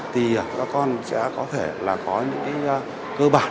thì các con sẽ có thể là có những cái cơ bản